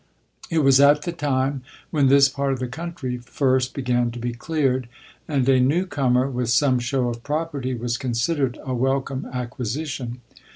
It was at the time when this part of the country first began to be cleared, and a new comer, with some show of property, was considered a welcome acquisition.